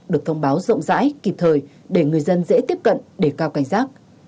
được thông báo rộng rãi kịp thời để người dân dễ tiếp cận để cao cảnh giác